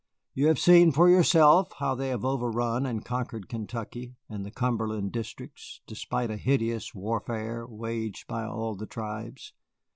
You have seen for yourself how they have overrun and conquered Kentucky and the Cumberland districts, despite a hideous warfare waged by all the tribes.